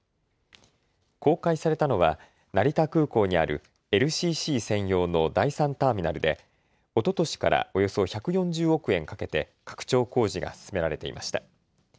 公開されたのは成田空港にあるＬＣＣ専用の第３ターミナルでおととしからおよそ１４０億円かけて拡張工事が進められていました。